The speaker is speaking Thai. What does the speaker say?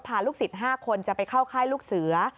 พาลูกศิษย์๕คนจะไปเข้าค่ายลูกเสือ